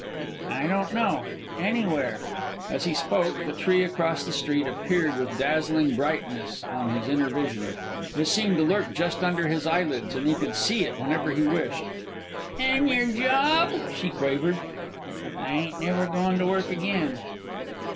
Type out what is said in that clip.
"I don't know anywhere." As he spoke, the tree across the street appeared with dazzling brightness on his inner vision. It seemed to lurk just under his eyelids, and he could see it whenever he wished. "An' your job?" she quavered. "I ain't never goin' to work again."